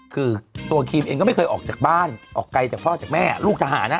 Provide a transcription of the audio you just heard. คือตัวครีมเองก็ไม่เคยออกจากบ้านออกไกลจากพ่อจากแม่ลูกทหารนะ